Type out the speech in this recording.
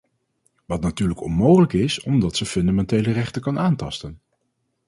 Wat natuurlijk onmogelijk is omdat ze fundamentele rechten kan aantasten.